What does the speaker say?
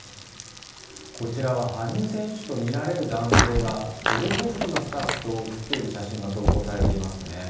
こちらは羽生選手とみられる男性が防護服のスタッフと写っている写真が投稿されていますね。